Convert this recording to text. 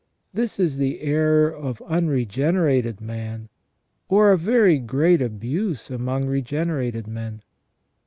This is the error of unregenerated man, or a very great abuse among regenerated men.